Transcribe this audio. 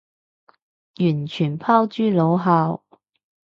完全拋諸腦後